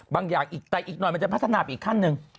บางอย่างอีกแต่อีกหน่อยมันจะพัฒนาไปอีกขั้นหนึ่ง